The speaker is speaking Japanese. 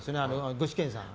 具志堅さん。